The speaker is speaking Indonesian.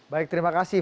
baik terima kasih